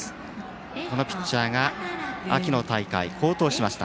このピッチャーが秋の大会、好投しました。